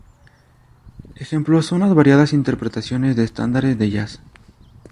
Ejemplos son las variadas interpretaciones de estándares de jazz.